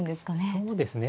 そうですね